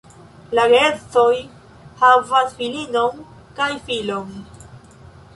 La geedzoj havas filinon kaj filon.